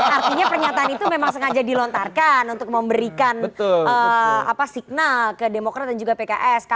artinya pernyataan itu memang sengaja dilontarkan untuk memberikan signal ke demokrat dan juga pks